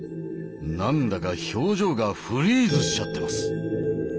何だか表情がフリーズしちゃってます。